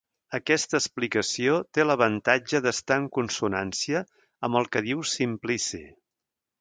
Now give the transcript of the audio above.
Aquesta explicació té l'avantatge d'estar en consonància amb el que diu Simplici.